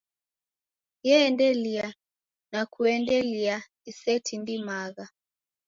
Yeendelia, na kuendelia isetindimagha.